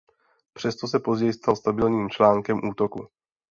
Přesto se později stal stabilním článkem útoku.